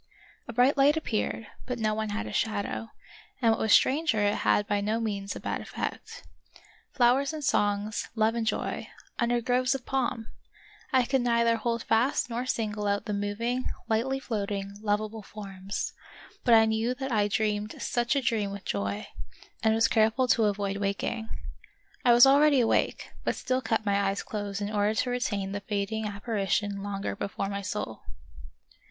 A bright light appeared, but no one had a shadow, and what was stranger it had by no means a bad effect. Flowers and songs, love and joy, under groves of palm ! I could neither hold fast nor single out the moving, lightly float ing, lovable forms ; but I knew that I dreamed such a dream with joy, and was careful to avoid waking. I was already awake, but still kept my eyes closed in order to retain the fading appari tion longer before my soul.